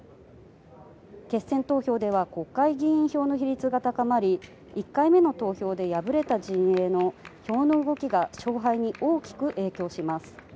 決選投票では国会議員票の比率が高まり、１回目の投票で敗れた陣営の票の動きが勝敗に大きく影響します。